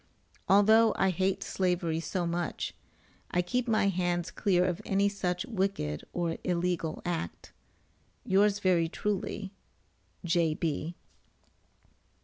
Although I hate slavery so much, I keep my hands clear of any such wicked or illegal act.] Yours, very truly, J.B.